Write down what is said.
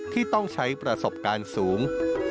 ที่ต้องใช้ประสบการณ์สูง